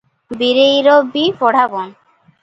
ବୀରେଇର ବି ପଢ଼ା ବନ୍ଦ ।